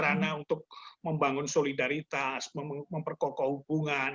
mungkin itu sarana untuk membangun solidaritas memperkokoh hubungan